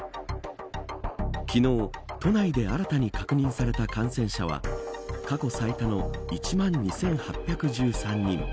昨日、都内で新たに確認された感染者は過去最多の１万２８１３人。